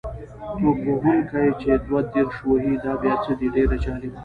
توپ وهونکی چې دوه دېرش وهي دا بیا څه دی؟ ډېر جالبه.